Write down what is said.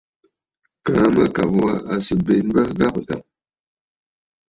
Kaa mâkàbə̀ wa à sɨ̀ bê m̀bə ghâbə̀ ghâbə̀.